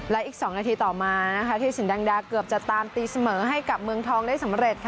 และอีก๒นาทีต่อมาที่สินดังดาเกือบจะตามตีเสมอให้กับเมืองทองได้สำเร็จ